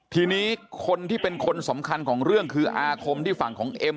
ทีนี้คนที่เป็นคนสำคัญของเรื่องคืออาคมที่ฝั่งของเอ็ม